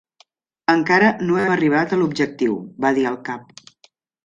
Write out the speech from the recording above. "Encara no hem arribat a l'objectiu", va dir el cap.